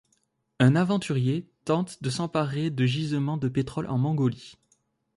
Un aventurier tente de s'emparer de gisements de pétrole en Mongolie.